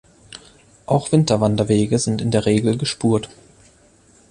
Auch Winterwanderwege sind in der Regel gespurt.